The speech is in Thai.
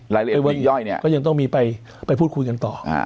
รายละเอียดปีย่อยเนี้ยก็ยังต้องมีไปไปพูดคุยกันต่ออ่า